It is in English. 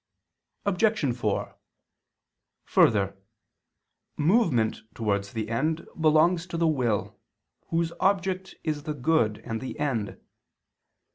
Obj. 4: Further, movement towards the end belongs to the will, whose object is the good and the end.